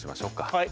はい。